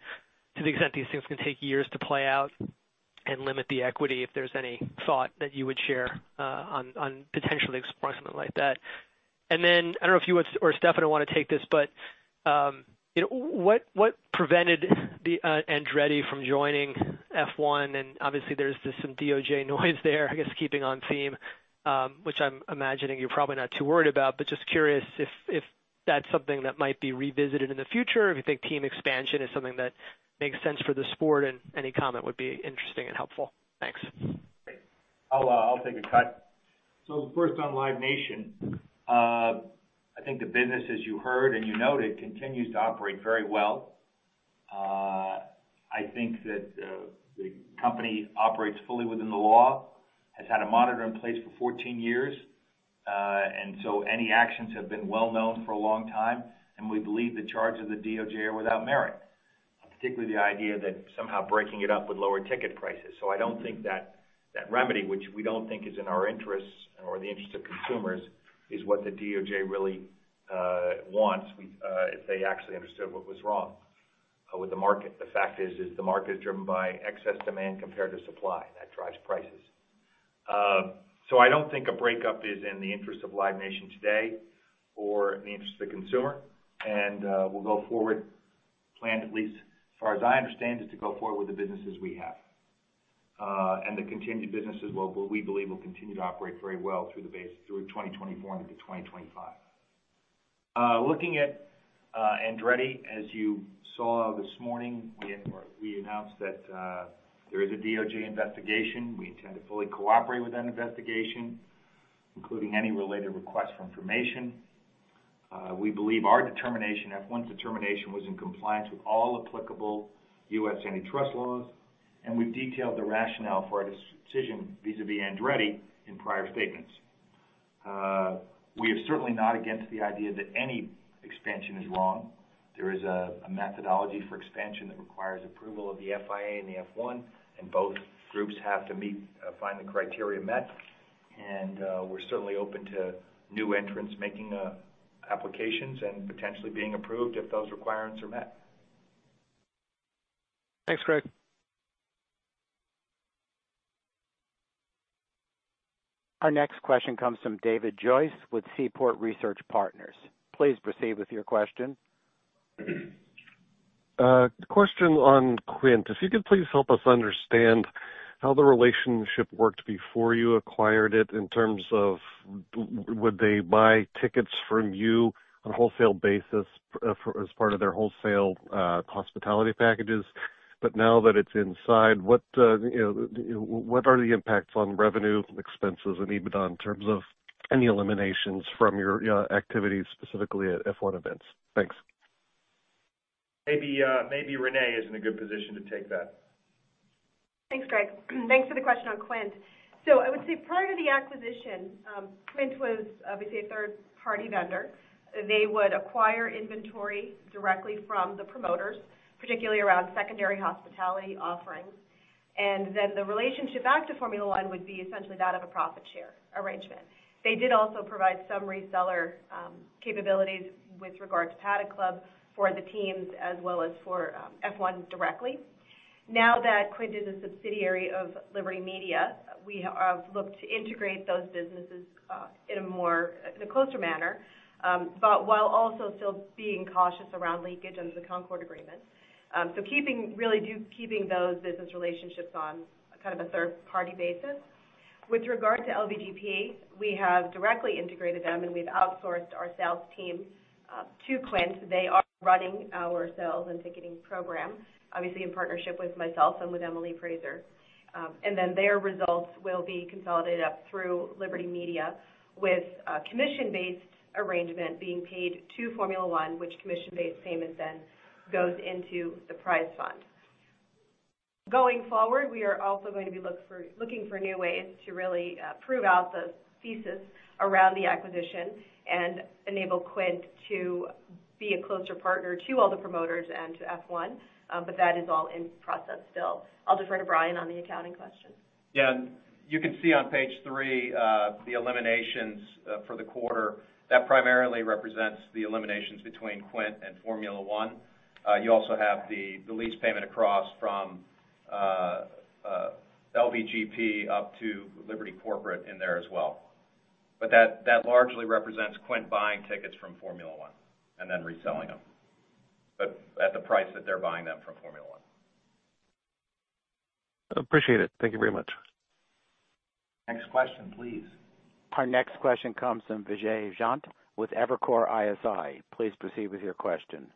to the extent these things can take years to play out and limit the equity, if there's any thought that you would share, on, on potentially exploring something like that. And then I don't know if you or Stefano want to take this, but, you know, what, what prevented the, Andretti from joining F1? And obviously, there's just some DOJ noise there, I guess, keeping on theme, which I'm imagining you're probably not too worried about, but just curious if that's something that might be revisited in the future, if you think team expansion is something that makes sense for the sport, and any comment would be interesting and helpful. Thanks.
I'll take a cut. So first, on Live Nation. I think the business, as you heard and you noted, continues to operate very well. I think that the company operates fully within the law, has had a monitor in place for 14 years, and so any actions have been well known for a long time, and we believe the charges of the DOJ are without merit, particularly the idea that somehow breaking it up would lower ticket prices. So I don't think that that remedy, which we don't think is in our interests or the interests of consumers, is what the DOJ really wants, if they actually understood what was wrong with the market. The fact is, the market is driven by excess demand compared to supply, that drives prices. So I don't think a breakup is in the interest of Live Nation today or in the interest of the consumer. And we'll go forward, plan, at least as far as I understand it, to go forward with the businesses we have. And the continued businesses will, we believe, will continue to operate very well through 2024 into 2025. Looking at Andretti, as you saw this morning, we announced that there is a DOJ investigation. We intend to fully cooperate with that investigation, including any related requests for information. We believe our determination, F1's determination, was in compliance with all applicable U.S. antitrust laws, and we've detailed the rationale for our decision vis-à-vis Andretti in prior statements. We are certainly not against the idea that any expansion is wrong. There is a methodology for expansion that requires approval of the FIA and the F1, and both groups have to meet and find the criteria met. We're certainly open to new entrants making applications and potentially being approved if those requirements are met.
Thanks, Greg.
Our next question comes from David Joyce with Seaport Research Partners. Please proceed with your question.
Question on Quint. If you could, please help us understand how the relationship worked before you acquired it in terms of would they buy tickets from you on a wholesale basis for as part of their wholesale hospitality packages? ... but now that it's inside, what, you know, what are the impacts on revenue, expenses, and EBITDA in terms of any eliminations from your activities, specifically at F1 events? Thanks.
Maybe, maybe Renee is in a good position to take that.
Thanks, Greg. Thanks for the question on Quint. So I would say prior to the acquisition, Quint was obviously a third-party vendor. They would acquire inventory directly from the promoters, particularly around secondary hospitality offerings. And then the relationship back to Formula 1 would be essentially that of a profit share arrangement. They did also provide some reseller capabilities with regard to Paddock Club for the teams, as well as for F1 directly. Now that Quint is a subsidiary of Liberty Media, we have looked to integrate those businesses in a closer manner, but while also still being cautious around leakage under the Concorde Agreement. So keeping those business relationships on kind of a third-party basis. With regard to LVGP, we have directly integrated them, and we've outsourced our sales team to Quint. They are running our sales and ticketing program, obviously in partnership with myself and with Emily Prazer. And then their results will be consolidated up through Liberty Media with a commission-based arrangement being paid to Formula 1, which commission-based payment then goes into the prize fund. Going forward, we are also going to be looking for new ways to really prove out the thesis around the acquisition and enable Quint to be a closer partner to all the promoters and to F1, but that is all in process still. I'll defer to Brian on the accounting question. Yeah, and you can see on page three, the eliminations for the quarter. That primarily represents the eliminations between Quint and Formula 1. You also have the, the lease payment across from LVGP up to Liberty Corporate in there as well. But that, that largely represents Quint buying tickets from Formula 1 and then reselling them, but at the price that they're buying them from Formula 1.
Appreciate it. Thank you very much.
Next question, please.
Our next question comes from Vijay Jayant with Evercore ISI. Please proceed with your question.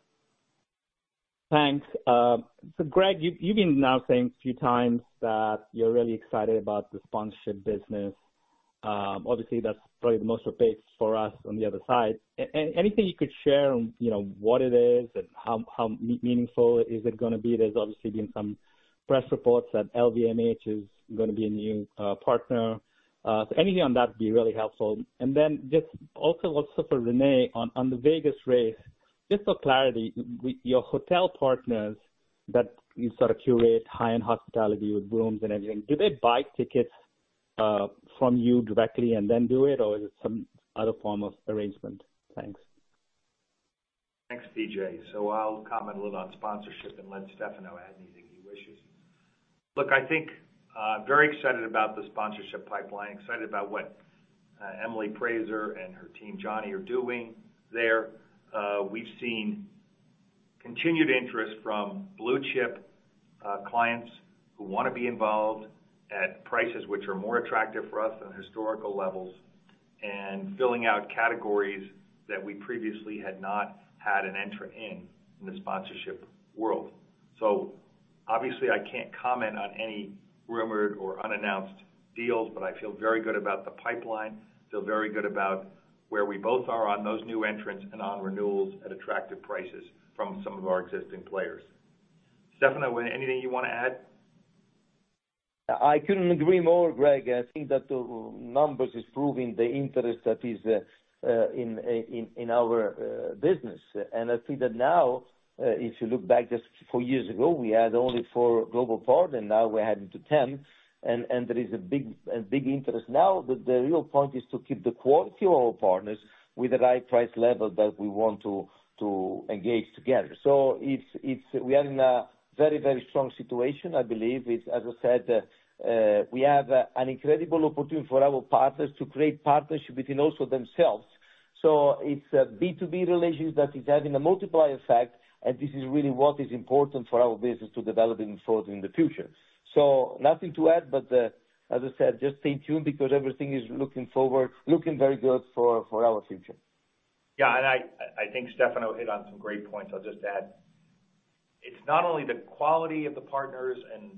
Thanks. So Greg, you've been now saying a few times that you're really excited about the sponsorship business. Obviously, that's probably the most opaque for us on the other side. Anything you could share on, you know, what it is and how meaningful is it gonna be? There's obviously been some press reports that LVMH is gonna be a new partner. So anything on that would be really helpful. And then just also for Renee, on the Vegas race, just for clarity, your hotel partners that you sort of curate high-end hospitality with rooms and everything, do they buy tickets from you directly and then do it, or is it some other form of arrangement? Thanks.
Thanks, Vijay. So I'll comment a little on sponsorship and let Stefano add anything he wishes. Look, I think, very excited about the sponsorship pipeline, excited about what, Emily Prazer and her team, Jonny, are doing there. We've seen continued interest from blue chip, clients who want to be involved at prices which are more attractive for us than historical levels, and filling out categories that we previously had not had an entrant in, in the sponsorship world. So obviously, I can't comment on any rumored or unannounced deals, but I feel very good about the pipeline. Feel very good about where we both are on those new entrants and on renewals at attractive prices from some of our existing players. Stefano, anything you want to add? I couldn't agree more, Greg. I think that the numbers is proving the interest that is in our business. And I see that now, if you look back just 4 years ago, we had only 4 global partners, and now we're heading to 10. And there is a big interest. Now, the real point is to keep the quality of our partners with the right price level that we want to engage together. So it's we are in a very strong situation. I believe it's, as I said, we have an incredible opportunity for our partners to create partnerships between also themselves. So it's a B2B relationship that is having a multiplier effect, and this is really what is important for our business to develop going forward in the future. Nothing to add, but as I said, just stay tuned, because everything is looking forward, looking very good for our future. Yeah, and I, I think Stefano hit on some great points. I'll just add, it's not only the quality of the partners and,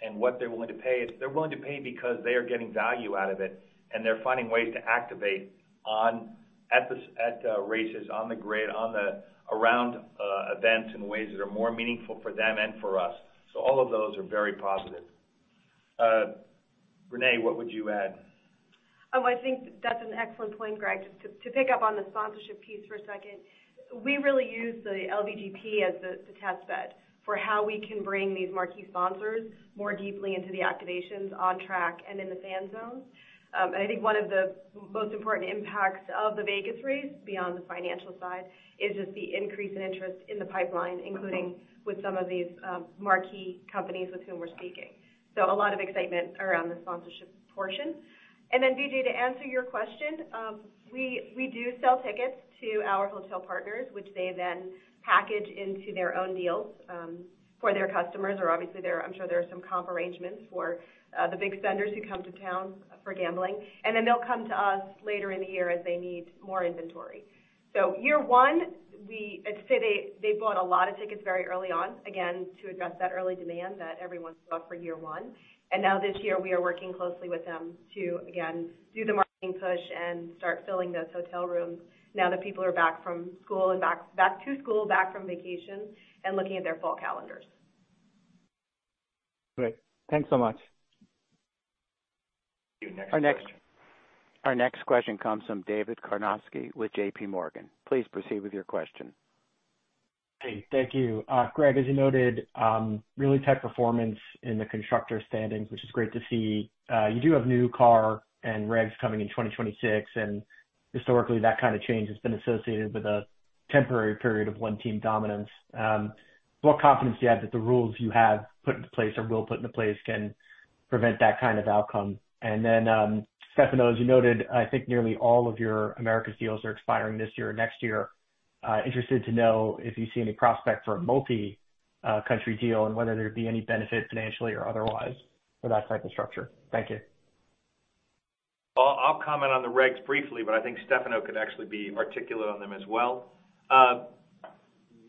and what they're willing to pay. They're willing to pay because they are getting value out of it, and they're finding ways to activate on, at the, at, races, on the grid, on the around, events in ways that are more meaningful for them and for us. So all of those are very positive. Renee, what would you add?
I think that's an excellent point, Greg. Just to pick up on the sponsorship piece for a second, we really use the LVGP as the test bed for how we can bring these marquee sponsors more deeply into the activations on track and in the fan zone. And I think one of the most important impacts of the Vegas race, beyond the financial side, is just the increase in interest in the pipeline, including with some of these marquee companies with whom we're speaking. So a lot of excitement around the sponsorship portion. And then, Vijay, to answer your question, we do sell tickets to our hotel partners, which they then package into their own deals for their customers. Or obviously, there are. I'm sure there are some comp arrangements for the big spenders who come to town for gambling. Then they'll come to us later in the year as they need more inventory. Year one-... we, I'd say they bought a lot of tickets very early on, again, to address that early demand that everyone saw for year one. And now this year, we are working closely with them to, again, do the marketing push and start filling those hotel rooms now that people are back from school and back to school, back from vacation, and looking at their fall calendars.
Great. Thanks so much.
Thank you. Next question.
Our next question comes from David Karnovsky with JP Morgan. Please proceed with your question.
Hey, thank you. Greg, as you noted, really tight performance in the constructor standings, which is great to see. You do have new car and regs coming in 2026, and historically, that kind of change has been associated with a temporary period of one team dominance. What confidence do you have that the rules you have put into place or will put into place can prevent that kind of outcome? And then, Stefano, as you noted, I think nearly all of your Americas deals are expiring this year or next year. Interested to know if you see any prospect for a multi-country deal and whether there'd be any benefit, financially or otherwise, for that type of structure. Thank you.
Well, I'll comment on the regs briefly, but I think Stefano could actually be articulate on them as well.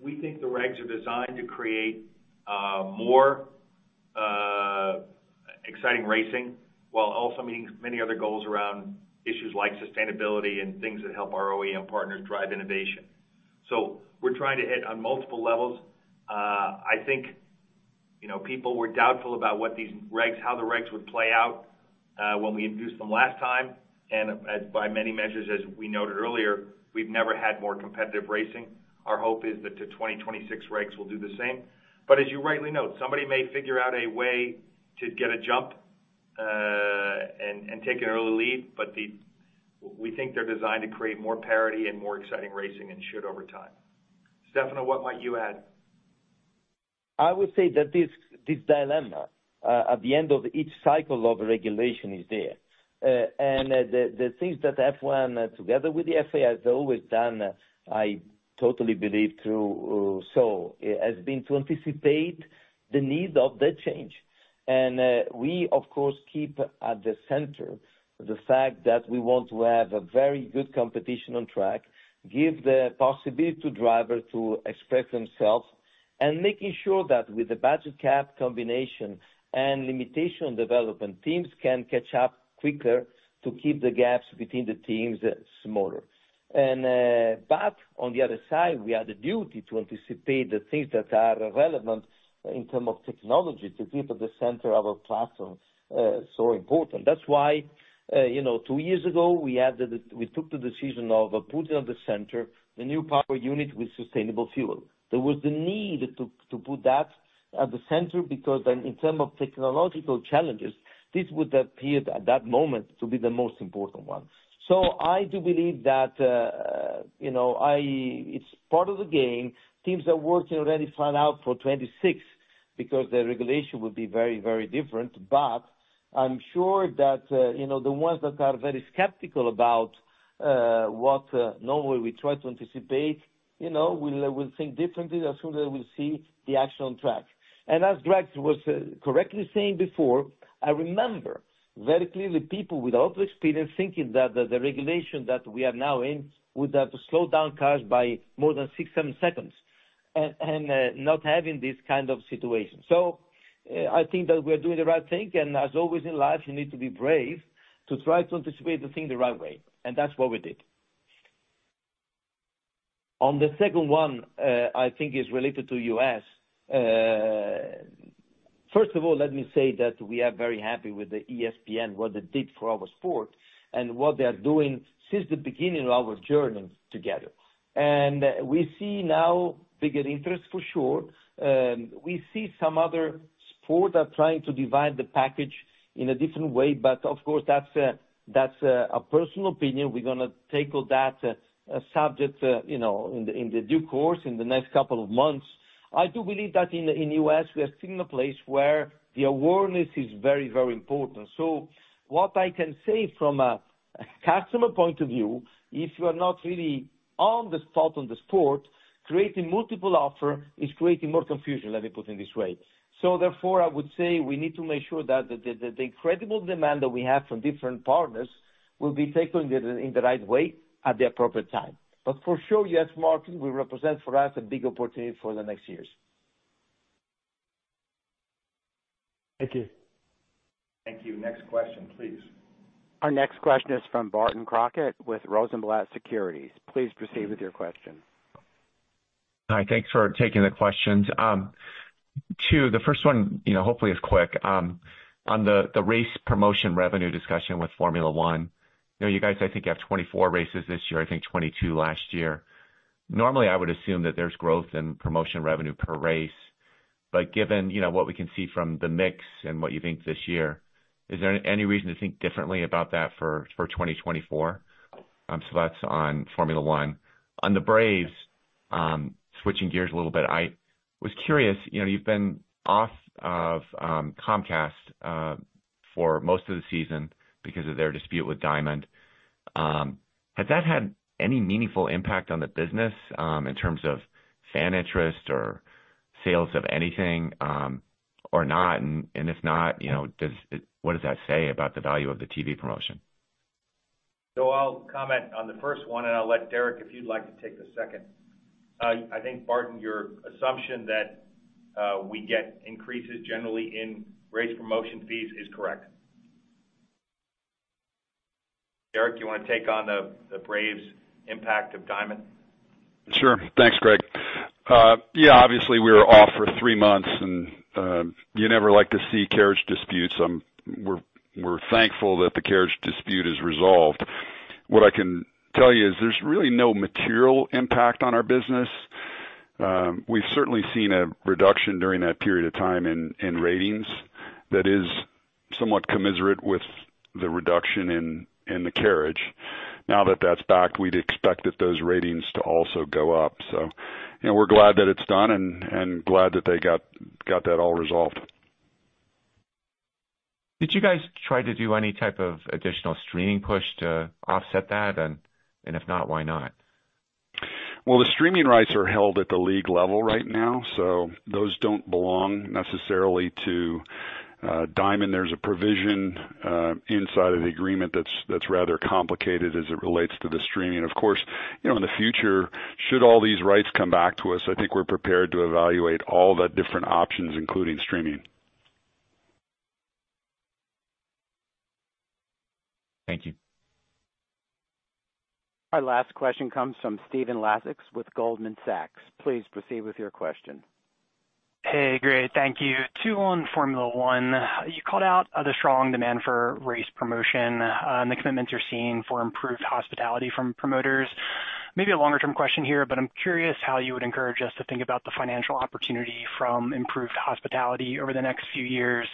We think the regs are designed to create more exciting racing, while also meeting many other goals around issues like sustainability and things that help our OEM partners drive innovation. So we're trying to hit on multiple levels. I think, you know, people were doubtful about what these regs, how the regs would play out, when we introduced them last time, and, by many measures, as we noted earlier, we've never had more competitive racing. Our hope is that the 2026 regs will do the same. But as you rightly note, somebody may figure out a way to get a jump and take an early lead, but the... We think they're designed to create more parity and more exciting racing, and should over time. Stefano, what might you add? I would say that this dilemma at the end of each cycle of regulation is there. The things that F1, together with the FIA, has always done, I totally believe so, has been to anticipate the need of the change. We, of course, keep at the center the fact that we want to have a very good competition on track, give the possibility to driver to express themselves, and making sure that with the budget cap combination and limitation development, teams can catch up quicker to keep the gaps between the teams smaller. But on the other side, we have the duty to anticipate the things that are relevant in terms of technology, to keep at the center of our platform so important. That's why, you know, two years ago, we added the—we took the decision of putting at the center the new power unit with sustainable fuel. There was the need to put that at the center, because then in terms of technological challenges, this would appear at that moment to be the most important one. So I do believe that, you know, it's part of the game. Teams are working already far out for 2026, because the regulation will be very, very different. But I'm sure that, you know, the ones that are very skeptical about what normally we try to anticipate, you know, will think differently as soon as they will see the action on track. As Greg was correctly saying before, I remember very clearly people with a lot of experience thinking that the regulation that we are now in would have to slow down cars by more than 6, 7 seconds and not having this kind of situation. So I think that we're doing the right thing, and as always in life, you need to be brave to try to anticipate the thing the right way, and that's what we did. On the second one, I think is related to U.S. First of all, let me say that we are very happy with ESPN, what it did for our sport, and what they are doing since the beginning of our journey together. We see now bigger interest, for sure. We see some other sport are trying to divide the package in a different way, but of course, that's a, that's a, a personal opinion. We're gonna tackle that, subject, you know, in the, in the due course, in the next couple of months. I do believe that in, in U.S., we are still in a place where the awareness is very, very important. So what I can say from a customer point of view, if you are not really on the spot on the sport, creating multiple offer is creating more confusion, let me put it this way. So therefore, I would say we need to make sure that the, the, the incredible demand that we have from different partners will be taken in the, in the right way at the appropriate time. But for sure, yes, Martin, will represent for us a big opportunity for the next years.
Thank you.
Thank you. Next question, please.
Our next question is from Barton Crockett with Rosenblatt Securities. Please proceed with your question.
Hi, thanks for taking the questions. Two, the first one, you know, hopefully is quick. On the race promotion revenue discussion with Formula 1, you know, you guys, I think, have 24 races this year, I think 22 last year. Normally, I would assume that there's growth in promotion revenue per race, but given, you know, what we can see from the mix and what you think this year, is there any reason to think differently about that for 2024? So that's on Formula 1. On the Braves, switching gears a little bit, I was curious, you know, you've been off of Comcast for most of the season because of their dispute with Diamond. Has that had any meaningful impact on the business in terms of fan interest or sales of anything, or not? And if not, you know, what does that say about the value of the TV promotion?...
So I'll comment on the first one, and I'll let Derek, if you'd like to take the second. I think, Barton, your assumption that we get increases generally in race promotion fees is correct. Derek, you wanna take on the Braves impact of Diamond?
Sure. Thanks, Greg. Yeah, obviously, we were off for three months, and you never like to see carriage disputes. We're thankful that the carriage dispute is resolved. What I can tell you is there's really no material impact on our business. We've certainly seen a reduction during that period of time in ratings that is somewhat commensurate with the reduction in the carriage. Now that that's back, we'd expect those ratings to also go up. So, you know, we're glad that it's done and glad that they got that all resolved.
Did you guys try to do any type of additional streaming push to offset that? And if not, why not?
Well, the streaming rights are held at the league level right now, so those don't belong necessarily to Diamond. There's a provision inside of the agreement that's rather complicated as it relates to the streaming. Of course, you know, in the future, should all these rights come back to us, I think we're prepared to evaluate all the different options, including streaming.
Thank you.
Our last question comes from Stephen Laszczyk with Goldman Sachs. Please proceed with your question.
Hey, great. Thank you. Two on Formula 1. You called out the strong demand for race promotion and the commitments you're seeing for improved hospitality from promoters. Maybe a longer term question here, but I'm curious how you would encourage us to think about the financial opportunity from improved hospitality over the next few years.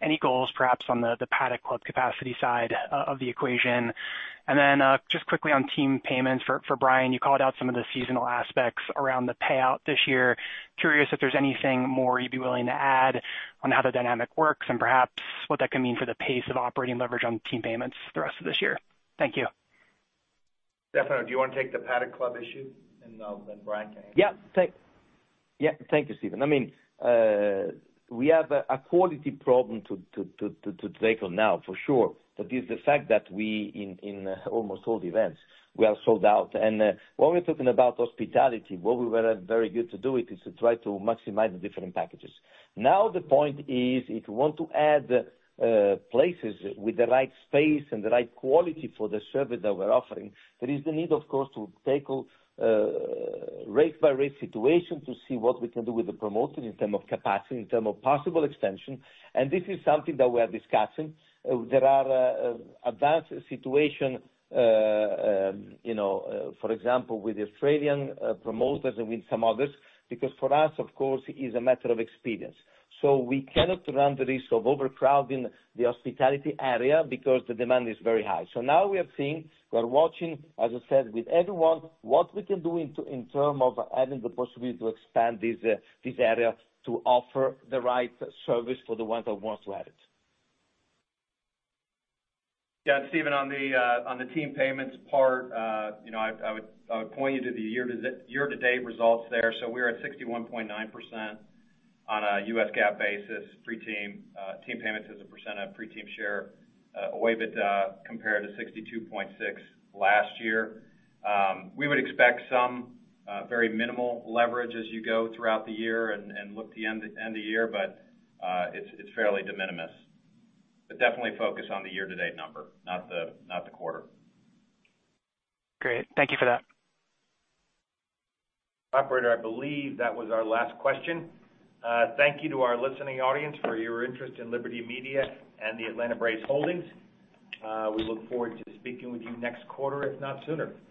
Any goals, perhaps on the Paddock Club capacity side of the equation? And then, just quickly on team payments, for Brian, you called out some of the seasonal aspects around the payout this year. Curious if there's anything more you'd be willing to add on how the dynamic works, and perhaps what that could mean for the pace of operating leverage on team payments the rest of this year? Thank you.
Stefano, do you want to take the Paddock Club issue, and then Brian can handle? Yeah. Yeah, thank you, Stephen. I mean, we have a quality problem to tackle now, for sure. That is the fact that we, in almost all events, we are sold out. And, when we're talking about hospitality, what we were very good to do it, is to try to maximize the different packages. Now, the point is, if you want to add places with the right space and the right quality for the service that we're offering, there is the need, of course, to tackle race by race situation to see what we can do with the promoter in term of capacity, in term of possible extension, and this is something that we are discussing. There are advanced situations, you know, for example, with Australian promoters and with some others, because for us, of course, it's a matter of experience. So we cannot run the risk of overcrowding the hospitality area because the demand is very high. So now we are seeing, we are watching, as I said, with everyone, what we can do in terms of having the possibility to expand this area, to offer the right service for the ones that want to add it. Yeah, Stephen, on the team payments part, you know, I would point you to the year-to-date results there. So we're at 61.9% on a U.S. GAAP basis, pre-team team payments as a percent of pre-team share OIBDA, compared to 62.6 last year. We would expect some very minimal leverage as you go throughout the year and look to the end of the year, but it's fairly de minimis. But definitely focus on the year-to-date number, not the quarter.
Great. Thank you for that.
Operator, I believe that was our last question. Thank you to our listening audience for your interest in Liberty Media and the Atlanta Braves holdings. We look forward to speaking with you next quarter, if not sooner.